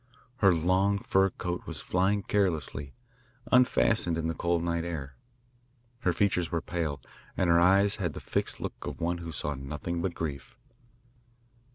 Her long fur coat was flying carelessly, unfastened in the cold night air; her features were pale, and her eyes had the fixed look of one who saw nothing but grief.